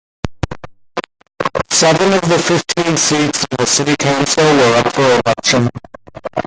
Seven of the fifteen seats in the City Council were up for election.